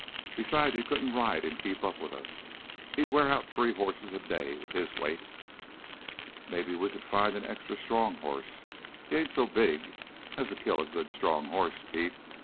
"Besides, he couldn't ride and keep up with us. He'd wear out three hosses a day with his weight." "Maybe we could find an extra strong hoss. He ain't so big as to kill a good strong hoss, Pete.